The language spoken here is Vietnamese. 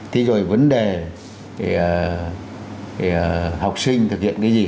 thế rồi vấn đề học sinh thực hiện cái gì